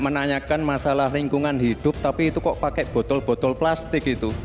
menanyakan masalah lingkungan hidup tapi itu kok pakai botol botol plastik gitu